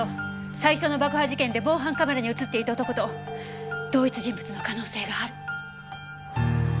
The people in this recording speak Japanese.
最初の爆破事件で防犯カメラに映っていた男と同一人物の可能性がある。